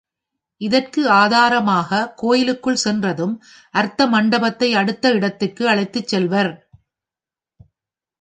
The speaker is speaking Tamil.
இதற்கு ஆதாரமாகக் கோயிலுள் சென்றதும் அர்த்த மண்டபத்தை அடுத்த இடத்துக்கு அழைத்துச் செல்வர்.